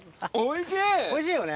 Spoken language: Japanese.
おいしい！